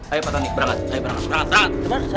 ayo pak tony berangkat berangkat berangkat